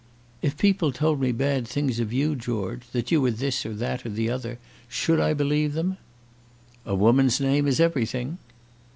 "If people told me bad things of you, George, that you were this or that, or the other, should I believe them?" "A woman's name is everything."